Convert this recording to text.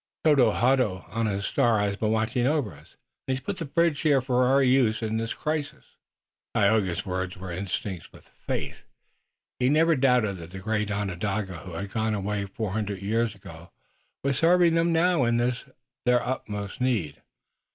Tododaho on his star has been watching over us, and has put the bridge here for our use in this crisis." Tayoga's words were instinct with faith. He never doubted that the great Onondaga who had gone away four hundred years ago was serving them now in this, their utmost, need.